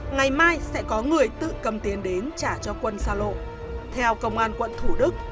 ngày mai sẽ có người tự cầm tiền đến trả cho quân xa lộ theo công an quận thủ đức